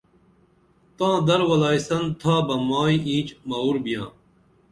تاں در ولائسن تھا بہ مائی اینچ موُر بیاں